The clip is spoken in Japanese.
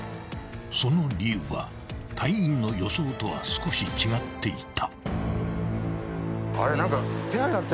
［その理由は隊員の予想とは少し違っていた］